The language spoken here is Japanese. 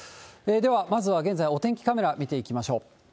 では、まずは現在、お天気カメラ見ていきましょう。